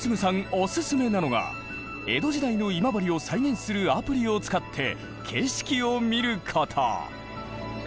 おススメなのが江戸時代の今治を再現するアプリを使って景色を見ること。